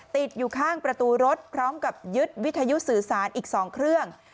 ติดอยู่ข้างประตูรถพร้อมกับยึดวิทยุสื่อสารอีก๒เครื่อง